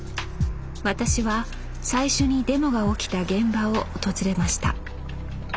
私は最初にデモが起きた現場を訪れました。